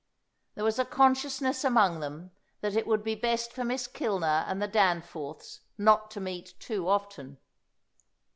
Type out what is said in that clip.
There was a consciousness among them that it would be best for Miss Kilner and the Danforths not to meet too often.